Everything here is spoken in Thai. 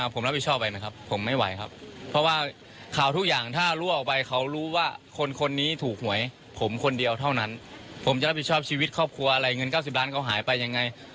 ผมจะรับผิดชอบชีวิตครอบครัวอะไรเงิน๙๐ล้านเขาหายไปยังไง